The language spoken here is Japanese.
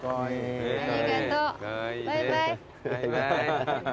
ありがとうバイバイ。